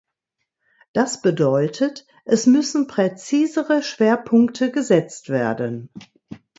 Das bedeutet, es müssen präzisere Schwerpunkte gesetzt werden.